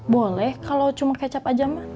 boleh kalau cuma kecap aja